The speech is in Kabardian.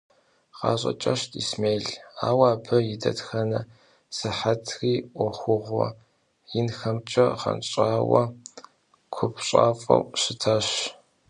ГъащӀэ кӀэщӀт Исмел, ауэ абы и дэтхэнэ сыхьэтри Ӏуэхугъуэ инхэмкӀэ гъэнщӀауэ, купщӀафӀэу щытащ.